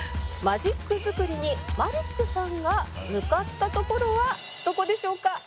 「マジック作りにマリックさんが向かった所はどこでしょうか？」